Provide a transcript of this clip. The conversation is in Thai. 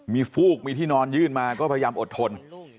มีฟูกมีที่นอนยื่นมาก็พยายามอดทน